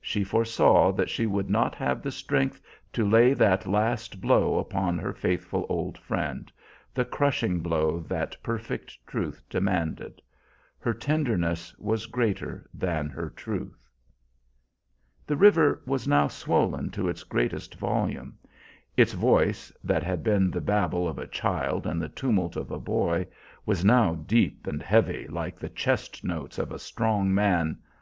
She foresaw that she would not have the strength to lay that last blow upon her faithful old friend, the crushing blow that perfect truth demanded. Her tenderness was greater than her truth. The river was now swollen to its greatest volume. Its voice, that had been the babble of a child and the tumult of a boy, was now deep and heavy like the chest notes of a strong man.